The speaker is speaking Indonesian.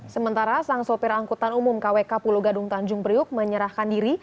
sementara sang sopir angkutan umum kwk pulau gadung tanjung priuk menyerahkan diri